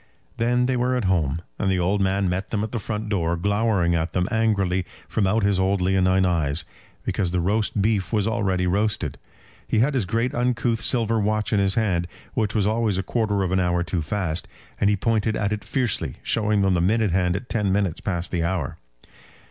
Then they were at home; and the old man met them at the front door, glowering at them angrily from out his old leonine eyes, because the roast beef was already roasted. He had his great uncouth silver watch in his hand, which was always a quarter of an hour too fast, and he pointed at it fiercely, showing them the minute hand at ten minutes past the hour.